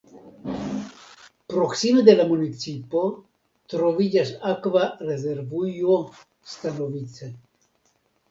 Proksime de la municipo troviĝas akva rezervujo Stanovice.